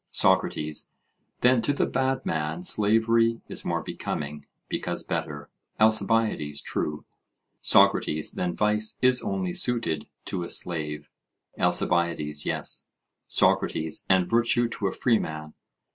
SOCRATES: Then to the bad man slavery is more becoming, because better? ALCIBIADES: True. SOCRATES: Then vice is only suited to a slave? ALCIBIADES: Yes. SOCRATES: And virtue to a freeman?